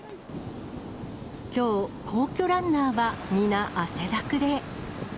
きょう、皇居ランナーは皆、汗だくで。